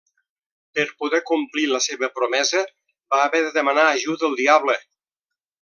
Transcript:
Per poder complir la seva promesa, va haver de demanar ajuda al diable.